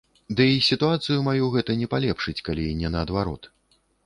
Ды і сітуацыю маю гэта не палепшыць, калі не наадварот.